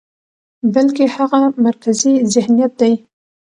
بلکې هغه مرکزي ذهنيت دى،